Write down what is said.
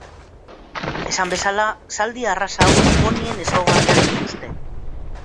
Esan bezala zaldi arraza hauek ponien ezaugarriak dituzte.